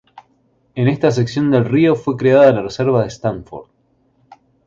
En esta sección del río fue creada la reserva de Stanford.